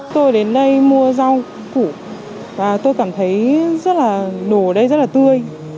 tôi đến đây mua rau củ và tôi cảm thấy đồ ở đây rất là tươi